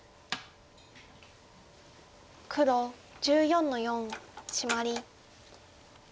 黒１４の四シマリ。